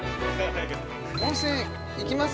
◆温泉行きます？